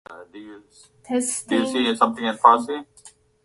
It is known for its curative mineral water, spa, and crystal glass.